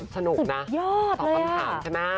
สุดยอดเลย